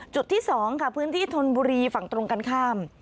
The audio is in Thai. จุดที่๒ค่ะพื้นที่ธนบุรีฝั่งตรงกันข้าม